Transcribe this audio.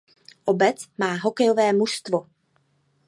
Obec má hokejové mužstvo.